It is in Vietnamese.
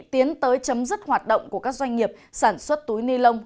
tiến tới chấm dứt hoạt động của các doanh nghiệp sản xuất túi ni lông